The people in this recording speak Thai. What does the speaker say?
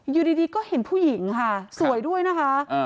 อยู่ดีก็เห็นผู้หญิงค่ะสวยด้วยนะคะ